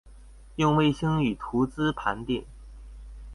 用衛星與圖資盤點